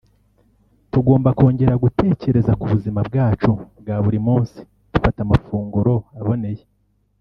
tugomba kongera gutekereza ku buzima bwacu bwa buri munsi dufata amafunguro aboneye